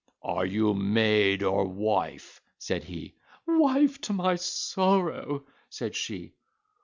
"Are you maid or wife," said he. "Wife, to my sorrow," said she.